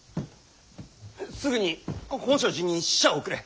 すぐに本證寺に使者を送れ。